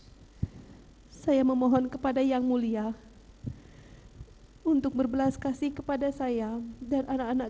hai saya memohon kepada yang mulia untuk berbelas kasih kepada saya dan anak anak